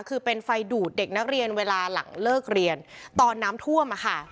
คือเป็นไฟดูดเด็กนักเรียนเวลาหลังเลิกเรียนตอนน้ำท่วมอะค่ะ